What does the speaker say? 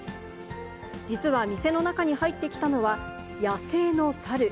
実は店の中に入ってきたのは、野生の猿。